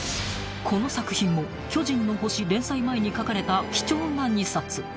［この作品も『巨人の星』連載前に描かれた貴重な２冊］